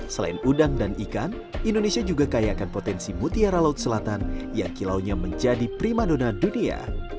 selain udang dan ikan indonesia juga kaya akan potensi mutiara laut selatan yang kilaunya menjadi primadona dunia